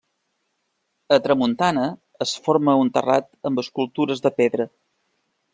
A tramuntana es forma un terrat amb escultures de pedra.